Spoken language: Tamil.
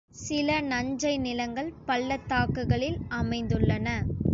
சில நஞ்சை நிலங்கள் பள்ளத்தாக்குகளில் அமைந்துள்ளன.